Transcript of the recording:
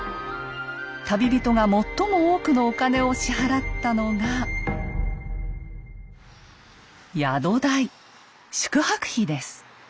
旅人が最も多くのお金を支払ったのが宿泊費です。